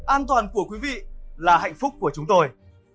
an toàn của quý vị là hạnh phúc của chúng tôi